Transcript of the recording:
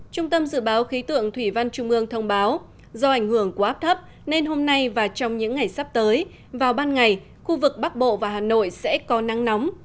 trung tâm dự báo khí tượng thủy văn trung ương thông báo do ảnh hưởng của áp thấp nên hôm nay và trong những ngày sắp tới vào ban ngày khu vực bắc bộ và hà nội sẽ có nắng nóng